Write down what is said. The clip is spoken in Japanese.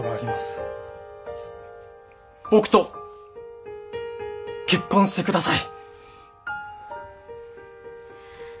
僕と結婚して下さい！